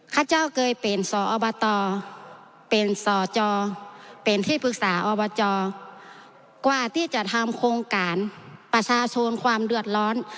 ข้าเจ้าเคยเป็นสอบตเป็นสจเป็นที่ปรึกษาอบจกว่าที่จะทำโครงการประชาชนความเดือดร้อน